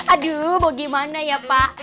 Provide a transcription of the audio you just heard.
aduh mau gimana ya pak